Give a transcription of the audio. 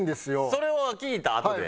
それは聞いたあとで。